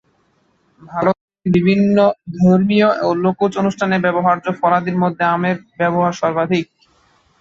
ভারতের বিভিন্ন ধর্মীয় ও লোকজ অনুষ্ঠানে ব্যবহার্য ফলাদির মধ্যে আমের ব্যবহার সর্বাধিক।